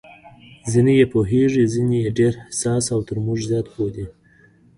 ځینې یې پوهېږي، ځینې یې ډېر حساس او تر موږ زیات پوه دي.